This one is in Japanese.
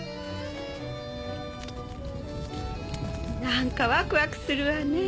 何かワクワクするわね。